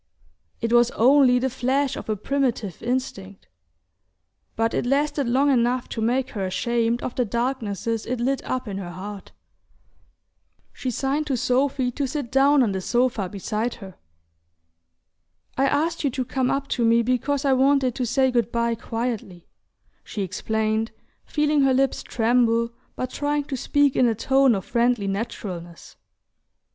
It was only the flash of a primitive instinct, but it lasted long enough to make her ashamed of the darknesses it lit up in her heart... She signed to Sophy to sit down on the sofa beside her. "I asked you to come up to me because I wanted to say good bye quietly," she explained, feeling her lips tremble, but trying to speak in a tone of friendly naturalness.